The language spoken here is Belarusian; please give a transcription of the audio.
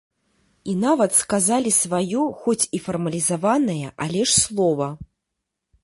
І нават сказалі сваё хоць і фармалізаванае, але ж слова.